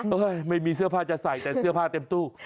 ไม่มีเสื้อผ้าจะใส่แต่เสื้อผ้าเต็มตู้